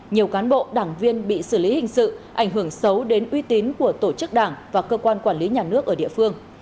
nhiều cán bộ đảng viên bị xử lý hình sự ảnh hưởng xấu đến uy tín của tổ chức đảng và cơ quan quản lý nhà nước ở địa phương